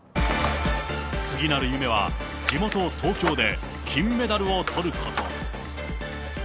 次なる夢は、地元、東京で金メダルをとること。